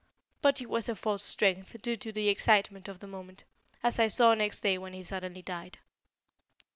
But it was a false strength due to the excitement of the moment, as I saw next day when he suddenly died."